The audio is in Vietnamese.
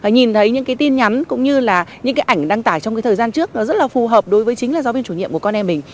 nhìn thấy những tin nhắn cũng như là những ảnh đăng tải trong thời gian trước rất là phù hợp đối với chính là giáo viên chủ nhiệm của con em mình